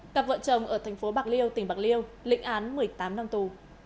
cặp vợ chồng ở thành phố bạc liêu tỉnh bạc liêu lịnh án một mươi tám năm tù